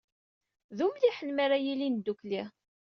D umliḥen mi ara ilin ddukkli.